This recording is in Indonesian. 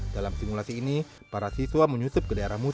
dalam simulasi ini para siswa menyusup ke daerah musuh